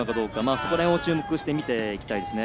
そこら辺を注目して見ていきたいですね。